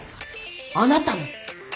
あなたも？